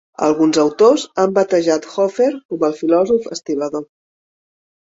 Alguns autors han batejat Hoffer com "el filòsof estibador".